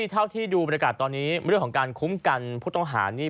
เท่าที่ดูบรรยากาศตอนนี้เรื่องของการคุ้มกันผู้ต้องหานี่